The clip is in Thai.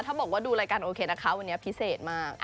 ถ้าบอกว่าดูรายการโอเคนะคะวันนี้พิเศษมาก